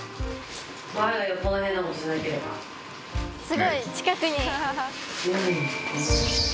すごい近くに。